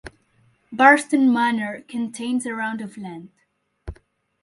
Barnston Manor contains around of land.